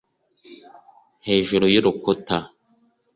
hejuru y'urukuta